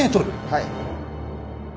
はい。